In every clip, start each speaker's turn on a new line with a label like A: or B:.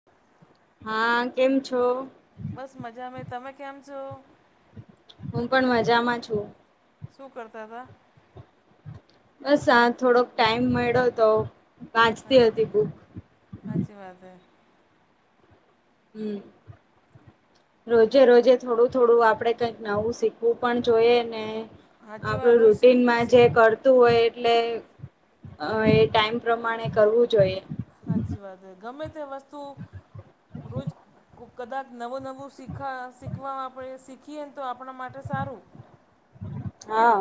A: [inaudible]
B: હા કેમ છો?
A: બસ મજા મે તમે કેમ છો?
B: હું પણ મજામાં છું.
A: શું કરતા હતા?
B: બસ આા થોડોક ટાઈમ મળ્યો તો વાંચતી હતી બુક.
A: સાચચી વાત હ.
B: હમ. રોજે રોજે થોડું થોડું આપડે કઈક નવું શીખવું પણ જોઈએ ને.
A: હાચી
B: આપડું
A: વાત રોજ શીખ
B: રૂટનમાં
A: શી
B: જે કર એટલે એ ટાઈમ કરવું જોઈએ?
A: સાચી વાત હ ગમે તે વસ્તુ રોજ. કદાચ નવું નવુ શીખ શીખવા આપણે શીખીએને તો આપણા માટે સારું.
B: હા.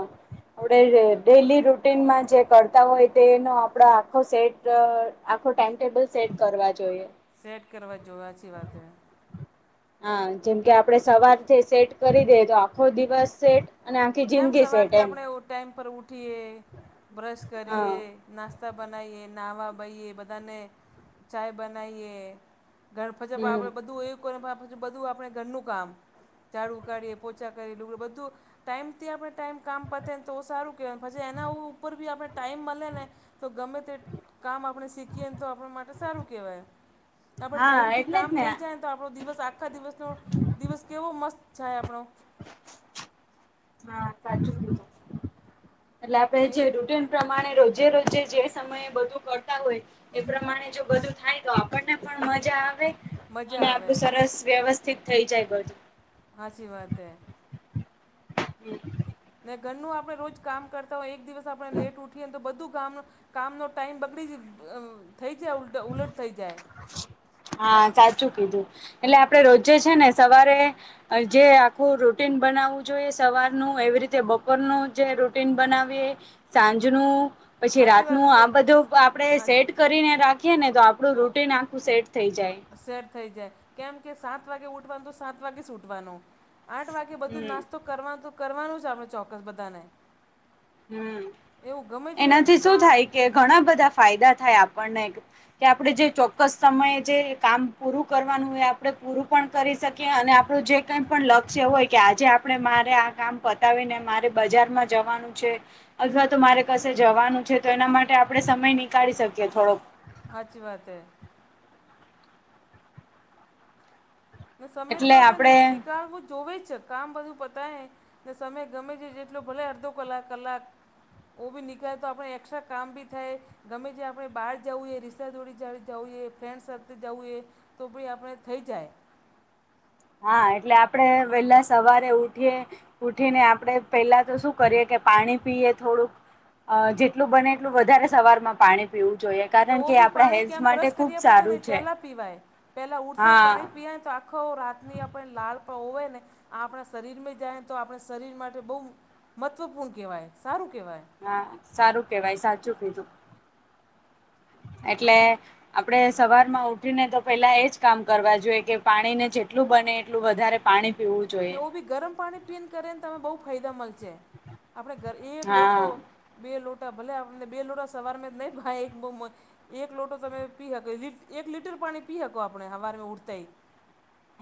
B: ઉડઈ રે ડેલી રૂટીનમાં જે કરતા હોય તેનો આપડો આખો સેટ આખો ટાઈમ ટેબલ સેટ કરવા જોઈએ.
A: સેટ કરવા જો એ હાચી વાતહે.
B: હ જેમ કે આપડે સવારથી સેટ કરી દઈએ તો આખો દિવસ સેટ અને આખી
A: કેમ
B: જિંદગી સેટ
A: સવારથી
B: એમ
A: આપડે એ ટાઈમ પર ઊઠીએ બ્રશ
B: હા
A: કરીએ. નાસ્તા બનાઈ એ નાહવા બઈએ બધાને ચાય બનાઈ એ. ઘર પછે [unintelligible]
B: હમ
A: આપડે બધું એક [unintelligible] બધું આપણે ઘરનું કામ જાડું કાઢીએ પોચા કરીએ બીજું બધું ટાઈમથી આપડે ટાઈમ કામ પતે ને તો સારું કહેવાય પછી એના ઉપર બી આપણે ટાઈમ મળે ને તો ગમે તે કામ આપણે શીખીએ ને તો આપણા માટે સારું કહેવાય આપણે
B: હા
A: ટાઈમથી
B: એટલે
A: કામ
B: જ ને
A: થઈ જાય. તો આપણો દિવસ આખા દિવસનો દિવસ કેવો મસ્ત જાય આપણો-
B: હા સાચું એટલે આપે
A: ને એ
B: જે રૂટીન. પ્રમાણે રોજે રોજે જે સમયે બધું કરતા હોય. એ પ્રમાણે જો બધું થાય તો આપણને પણ મજા આવે
A: મજા
B: અને આપણું
A: આવે
B: સરસ વ્યવસ્ સ્થિત થઈ જાય બધું.
A: હાચી વાત હે.
B: [inaudible]
A: ને ઘરનું આપણે રોજ કામ કરતા હોઈએ એક દિવસ આપણે લેટ ઉઠીએ તો બધું કામ કામનો ટાઈમ બગડી જ અ અ થઈ જાય ઉલટ ઉલટ થઈ જાય
B: હા, સાચું કીધું એટલે આપડે રોજે છે ને સવારે જે આખું રૂટીન બનાવું જોઈએ સવારનું એવી રીતે બપોરનું જે રૂટીન બનાવીએ સાંજનું પછી
A: હાચી
B: રાત
A: વાત
B: નું
A: કે
B: આ બધું આપડે
A: હાચી
B: સેટ કરીને રાખીએ ને તો આ પડું રૂટિન આખું સેટ થઈ જાય.
A: સેટ થઈ જાય. કેમ કે સાત વાગે ઉઠવાનું તો સાત વાગે જ સુઠવાનું આઠ વાગે બધું
B: હમ
A: નાસ્તો કરવાનો કરવાનું જ આપણે ચોક્કસ બધાને
B: હમ્મ,
A: એવું ગમે તે
B: એનાથી શું
A: કા
B: થાય કે ઘણા બધા ફાયદા થાય આપણને કે કે આપડે જે ચોક્કસ સમયે જે કામ પૂરું કરવાનું હોય આપડે પૂરું પણ કરી શકીએ અને આપણું જે કઈ પણ લક્ષ્ય હોય કે આજે આપણે મારે આ કામ પત તાવીને મારે બજારમાં જવાનું છે અથવા તો મારે કશે જવાનું છે તો એના માટે આપડે સમય નીકાળી શકીએ થોડોક
A: હાચી વાત હે. ને સમય તો
B: એટલે
A: આપડે
B: આપણે
A: ની નીકાળવું જ જોવે જ છે કામ બધું પતાય ને સમય ગમે છે જેટલો ભલે અડધો કલાક, કલાક ઓ ભી નીકળે તો આપણે એકસ્ટ્રા કામ ભી થાય ગમે જે આપણે બહાર જઉંએ, રિશાદોડી જાવુ જઉંએ, ફ્રેન્ડ સાથે જઉંએ તો ભી આપણે થઈ જાય.
B: હા એટલે આપડે વેલા સવારે ઉઠીએ ઉઠીને આપડે પેલા તો શું કરીએ કે પાણી પીએ થોડુંક અ જેટલું બને એટલું વધારે સવારમાં પાણી પીવું જોઈએ.
A: ને
B: કારણ
A: ઓ
B: કે
A: બી
B: આપણા
A: પાણી
B: હેલ્થ
A: કેમ
B: માટે
A: બ્રશ
B: ખુબ
A: કરીયા પછી ને
B: સારું છે
A: પેલા પીવાય પેલા ઉઠતેહી
B: હા
A: પાણી પીવાય તો આ ખો રાતની આપણે લાળપ હોય ને આપણા શરીરમાં જાય ને તો આપણે શરીર માટે બઉ મહત્વપૂર્ણ કહેવાય, સારું કેવાય.
B: હા, સારું કહેવાય. સાચું કીધું. એટલે આપડે સવારમાં ઉઠીને તો પેલા એજ કામ કરવા જોઈએ કે પાણીને જેટલું બને એટલું વધારે પાણી પીવું
A: ને
B: જોઈએ
A: ઓ બી ગરમ પાણી પીને કરીને તમે બહુ ફાયદામંદ છે આપણે ઘર એક લોટો
B: હા
A: બે લોટા ભલે આપને બે લોટા સવારમાં નહી ભાય એક બઉ મ એક લોટો તમે પી હકો લીટ એક લીટર પાણી પી હકો આપણે હવારમાં ઊઠતાંઈ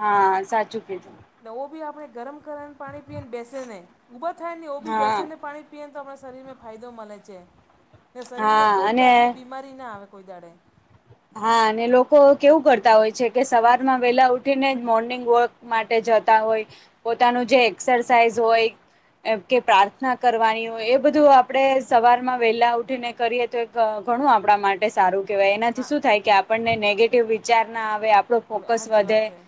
B: હા, સાચું કીધું.
A: ને ઓ બી આપણે ગરમ ગરમ પાણી પીય ને બેસી નહી ઊભા થાય ને ઓ બી
B: હા
A: બેસીને પાણી પીએને તો આપણાં શરીરને ફાયદો મલે છે ને શરીરમાં
B: હા
A: કોઈ
B: અને
A: જાતની બીમારીના આવે કોઈ દહાડે
B: હા અને લોકો કેવું કરતા હોય છે કે સવારમાં વહેલા ઉઠી ને જ મોર્નિંગ વોક માટે જતા હોય પોતાનું જે એક્સરસાઇઝ હોય એમ કે પ્રાર્થના કરવાની હોય એ બધું આપણે સવારમાં વહેલા ઉઠીને કરીએ તો એ ઘણું આપણા માટે સારું કેહેવાય એનાથી
A: હા
B: શું
A: હા
B: થાય કે આપણને નેગેટિવ વિચાર ના આવે આપ ડો ફોકસ
A: સાચી
B: વધે.
A: વાત હે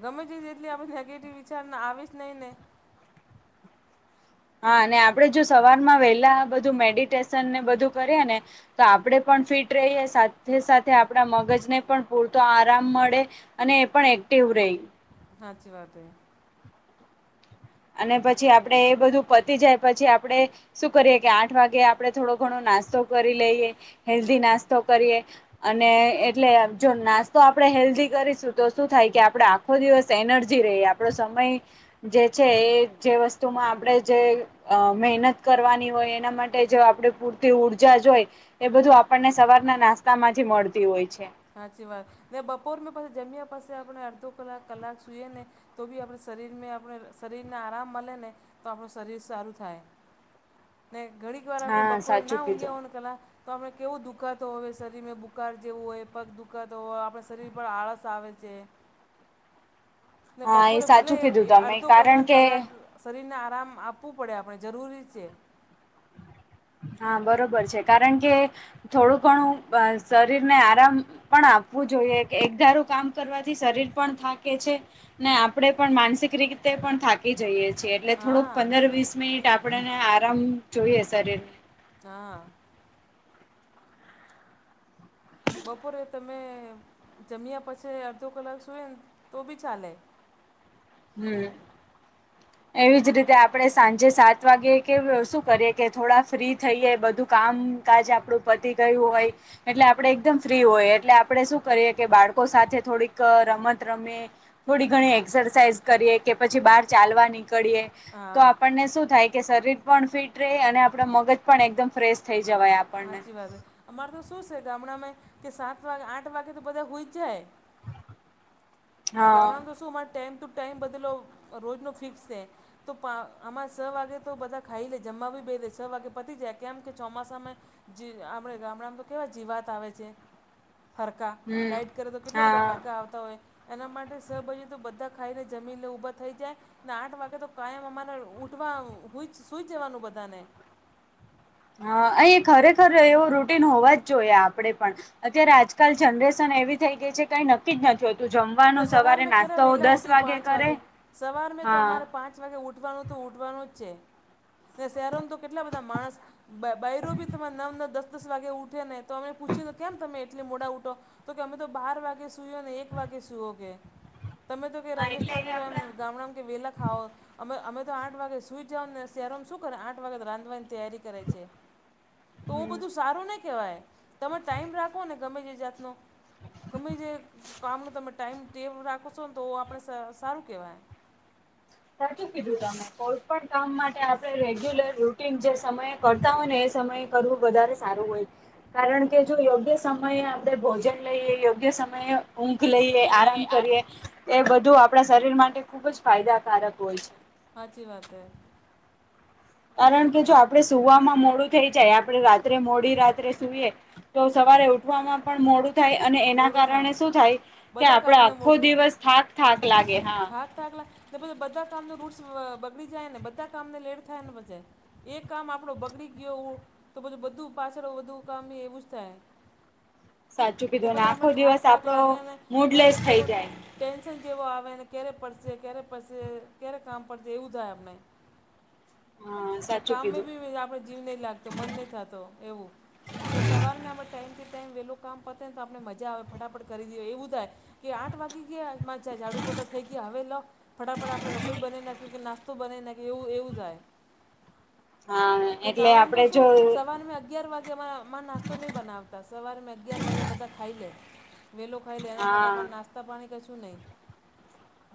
A: ગમે તે જેટલી આપણે નેગેટિવ વિચાર આવી જ નહીં ને?
B: હા અને આપણેે જો સવારમાં વહેલા બધું મેડિટેશન ને બધું કરીએ ને તો આપણેે પણ ફિટ રહીએ સાથે સાથે આપણા મગજ ને પણ પૂરતો આરામ મળે અને એ પણ એક્ટિવ રેય
A: હાચી વાત હે.
B: અને પછી આપડે એ બધું પતી જાય પછી આપડે શું કરીએ કે આઠ વાગે આપડે થોડો-ઘણો નાસ્તો કરી લઈએ હેલ્ધી નાસ્તો કરીએ. અને એટલે જો નાસ્તો આપડે હેલ્ધી કરીશું તો શું થાય કે આપડે આ ખો દિવસ એનર્જી રહે આપડો સમય જે છે એ જે વસ્તુમાં આપણે જે અ મહેનત કરવાની હોય એના માટે જો આપણે પૂરતી ઊર્જા જ હોય, એ બધું આપણને સવારના નાસ્તામાંથી મળતી હોય છે.
A: હાચી વાત, ને બપોર મે પછી જમ્યા પસે આપણે અડધો કલાક-કલાક સુઈએ ને તો બી આપણે શરીરમે આપણે શરીરને આરામ મલેને તો આપણું શરીર સારું થાય. ને ઘડીક વાર આપડે
B: હા
A: બપોરે ના
B: સાચું
A: ઊંઘ્યા
B: કીધું
A: હોયને કલાક તો આપણે કેવું દુખાતો હોવે શરીરમાં બુકાર જેવું હોય. પગ દુઃખાતો હોય આપણા શરીર પર આળસ આવે છે. ને
B: હા એ
A: બપોરે ભલે
B: સાચું
A: એક
B: કીધું તમે
A: અડધો
B: કારણ કે
A: કલાક-કલાક શરીરને આરામ આપવું પડે આપણે જરૂરી છે.
B: હા, બરોબર છે કારણ કે થોડું-ઘણું શરીરને આરામ પણ આપવું જોઈએ એકધારું કામ કરવાથી શરીર પણ થાકે છે ને આપડે પણ માનસિક રીતે પણ થા કી જઈએ છીએ એટલે થોડોક
A: હા
B: પંદર-વીસ મિનિટ આપણને આરામ જોઈએ શરીર
A: હા. બપોરે તમે જમ્યા પછી અડધો કલાક સૂઈને તો બી ચાલે.
B: હમ્મ.
A: [inaudible]
B: એવી જ રીતે આપણે સાંજે સાત વાગે કે શું કરીએ કે થોડા ફ્રી થઈએ બધું કામ કાજ આપડું પતિ ગયું હોય એટલે આપડે એકદમ ફ્રી હોય એટલે આપડે શું કરીએ કે બાળકો સાથે થોડીક રમત રમીએ થોડી ઘણી એક્સરસાઇઝ કરીએ કે પછી બહાર ચાલવા નીકળીએ તો
A: હા
B: આપણને શું થાય કે શરીર પણ ફિટ રહે અને આપણા મગજ પણ એકદમ ફ્રેશ થઈ જવાય આમ.
A: હાચી વાત હે અમારે તો શું સે ગામડાંમાંએ કે સાત વાગ-આઠ વાગે તો બધા હુઈ જાય. આ
B: હા
A: ગામડામાં તો શું અમારે ટાઈમ ટુ ટાઈમ બદલો રોજનો ફિક્સ છે. તો પા અમાર સ વાગે તો બધા ખાઈ લે જમવા બી બેહી લે છ વાગે પતી જાય કેમ કે ચોમાસામાં જી-આપડે ગામડામાં તો કેવા જીવાત આવે છે. ફરકા
B: હમ
A: લાઈટ કરે તો કેટલા બધા
B: હા
A: ફરકા આવતા હોય. એના માટે સ બજે તો બધા ખાઈને જમીનને ઊભા થઈ જાય ને આઠ વાગે તો કાયમ અમારે ઉઠવા હુઈજ સુઈ જ જવાનું બધાને
B: હ અહીં ખરેખર એવો રૂટીન હોવા જ જોઈએ આપડે પણ અત્યારે આજ-કાલ જનરેશન એવી થઈ ગઈ છે કાઈ નક્કી જ નથી હો
A: ને સવારમે કેરા વેલા ઉઠીએ પાંચ વાગે, સવારમે તો
B: હા
A: અમારે પાં ચ વાગે ઉઠવાનું તો ઉઠવાનું જ છે ને શહેરોમાં તો કેટલા બધા માણસ બ-બઈરૂ તમાર નવ ને દસ દસ વાગે ઉઠે ને તો અમે પૂછીયુંને કેમ તમે એટલે મોડા ઉઠો તો કે અમે તો બાર વાગે સુઈયેને એક વા ગે સૂઓ કે તમે તો કે
B: હા એટલે એ
A: રાજસ્થાનમાં તો એમ
B: આપડા
A: ગામડામાં કે વેહલા ખાઓ અમે-અમે તો આઠ વાગે સુઈ જાઓને શહેરોમાં શું કરે આઠ વાગે રાંધવાની તૈયારી કરે છે. તો
B: હમ
A: બધું સારું ના કહેવાય. તમે ટાઈમ રાખો ને ગમે તે જાતનો ગમે તે કામનો તમે ટાઈમ ટેવ રાખો છો ને તો આપણે સ-સારું કહેવાય.
B: સાચું કીધું તમે કોઈ પણ કામ માટે આપણે રેગ્યુલર રૂટીન જે સમયે કરતા હોય ને એ સમયે કરવુ વધારે સારું હોય. કારણ કે જો યોગ્ય સમયે આપણે ભોજન લઈએ યોગ્ય સમયે ઊંઘ લઈએ આરામ કરીએ એ બધું આપણા શરીર માટે ખુબ જ ફાયદાકારક હોય છે.
A: સાચી વાત છે.
B: કારણ કે જો આપણેે સુવામાં મોડું થઈ જાય. આપણેે રાત્રે મોડી રાત્રે સુઈએ તો સવારે ઉઠવામાં પણ મોડું થાય અને એના કારણે શું થાય કે
A: બધા
B: આપણો
A: કામને
B: આખો
A: મોડું થાય.
B: દિવસ થાક થાક લાગે હા
A: થાક ને બધા કામનુ રૂટ બગડી જાય અને બધા કામને લેટ થાય ને બધે એક કામ આપણુ બગડી ગયો તો પાછું બધું પાછળ બધું કામ એવું જ થાય.
B: સાચું
A: ને
B: કીધું
A: પછી આપણને
B: આખો
A: થાક
B: દિવસ
A: થાક
B: આપડો
A: લાગે અને એમ
B: મૂડલેસ થઈ
A: જેવો
B: જાય
A: ટેન્શન જેવો આવે ને ક્યારે પડશે ક્યારે પડશે ક્યારે કામ પડશે એવું થાય આપણને
B: હા
A: ને
B: સાચું
A: કામ મે
B: કીધું
A: બી જીવ નહિ લાગતો મન નહિ થતો એવું સવાર ટાઈમથી ટાઈમ વહેલું કામ પત તો આપણે મજા આવે ફટાફટ કરી દીએ એવું થાય. કે આઠ વાગી ગયા [unintelligible] ઝાડુ પોતા થઈ ગયા હવે લો ફટાફટ આપણે રસોઈ બનાવી નાખીયે કે નાસ્તો બનાવી નાખ્યો એવું એવું જાય.
B: હા
A: ને
B: એટલે
A: ગામડામાં તો
B: આપડે
A: શું
B: જો
A: સવાર મે અગિયાર વાગેમાં માં નાસ્તો નહી બનાવતા સવારમાં અગિયાર વાગે બધા ખાઈ લે વહેલો ખાઈ લે એના માટે
B: હા
A: અમાં નાસ્તો તો પાણી કશું નહીં.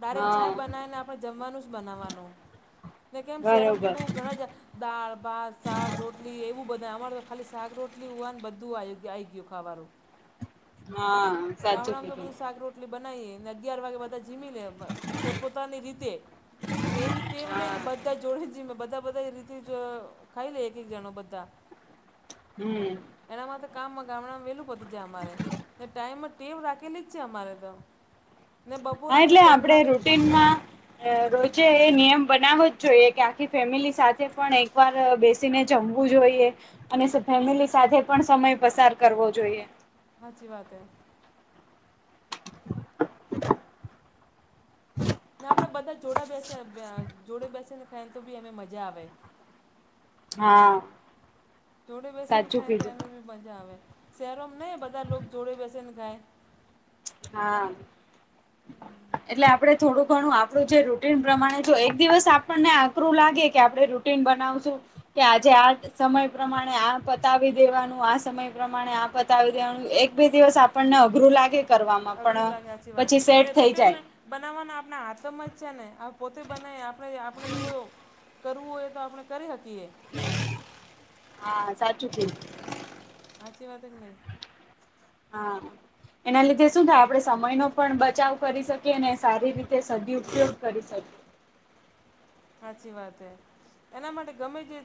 A: ડાયરેક્ટ
B: હા
A: ચાય બનાવી ને આપણે જમવાનું જ બનાવવાનું ને કેમ [unintelligible] તો
B: બરોબર
A: બહ ઘણા જ દાળ ભાત શાક રોટલી એવું બધાય અમારે તો ખાલી શાક રોટલીને બધું આવી ગયું ખાવાનું
B: હા સાચું
A: ગામડામાં તો
B: કીધું
A: બધું શાક રોટલી બનાવી ને અગિયાર વાગે બધા જમી લે પોતપોતાની રીતે એવી તેવ નહિ કે
B: હા
A: બધા જોડે જમે બધા બધાતે જ ખાઈ લે એક એક જણ બધા
B: હમ
A: એનામાં તો કામમાં ગામડામાં વહેલું પતી જાય અમારે ટાઈમ ટેવ રાખેલી જ છે. અમારે તો ને બપોર
B: હા
A: મેં
B: એટલે
A: ત્રણ
B: આપણેે
A: વાગે
B: રૂટીનમાં રોજે એ નિયમ બનાવો જ જોઈએ કે આખી ફેમિલી સાથે પણ એક વાર બેસ ને જમવું જોઈએ અને ફેમિલી સાથે પણ સમય પસાર કરવો જોઈએ.
A: સાચી વાત છે. ને આપણે બધા જોડા બેસે જોડે બેસે ને [unintelligible] ફેન તો બી એને મજા આવે.
B: હા
A: જોડે બેસીને
B: સાચું
A: ખાય તો
B: કીધું
A: એમે મજા આવે શહેરોમાં નહી બધા લોકો જોડે બેસે ને ખાય.
B: હા
A: [inaudible]
B: એટલે આપણે થોડું ઘણું આપણુ જે રૂટીન પ્રમાણે જો એક દિવસ આપણને આકરું લાગે કે આપણે રૂ ટીન બનાવશુ કે આજે આ સમય પ્રમાણે આ પતાવી દેવાનું આ સમય પ્રમાણે આ પ પતાવી દેવાનુ એક બે દિવસ આપણને અઘરું લાગે કરવાવામાં
A: અઘરું લાગે સાચી વાત ને રૂટેને બનાવવાના આપણા હાથમાં જ છે ને પોતે બનાય આપણે આપણે જોવો કરવું હોય તો આપણે કરી શકીએ એવું
B: હા સાચું કીધું.
A: હાચી વાત કે નઈ
B: હા એના લીધે શું થાય આપણેે સમયનો પણ બચાવ કરી શકીએ અને સારી રીતે સદ ઉપયોગ કરી શકીએ.
A: હાચી વાત હે એના માટે ગમે તે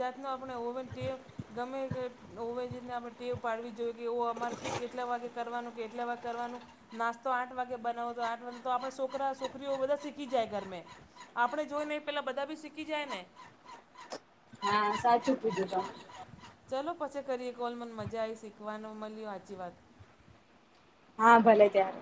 A: જાતનો આપણે ઓવન ટેક ગમે એ ઓવા રીતને ટેવ પાડવી જોઈએ કે એવું અમારે ફિક્સ એટલા વાગે કરવાનું કે એટલા વાગે કરવાનું નાસ્તો આઠ વાગે બનાવો તો આઠ વાગ તો આપણે છોકરા છોકરીઓ બધા શીખી જાય ઘરમે આપણે જોઈ ને એ પેલા બધા બી શીખી જાય ને
B: હા સાચું કીધું તો
A: ચાલો પછી કરીએ કોલ મને મજા આવી શીખવાનો મળ્યો સાચી વાત
B: હા ભલે ત્યારે